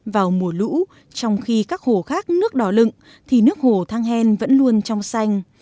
vào mùa lũ trong khi các hồ khác nước đỏ lựng thì nước hồ thăng hen vẫn luôn trong xanh